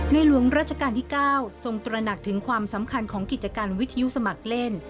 หลวงราชการที่๙ทรงตระหนักถึงความสำคัญของกิจการวิทยุสมัครเล่น